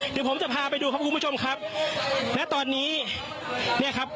เดี๋ยวผมจะพาไปดูครับคุณผู้ชมครับณตอนนี้เนี่ยครับ